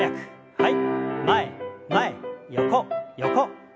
はい。